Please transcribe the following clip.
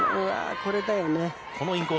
これだよね。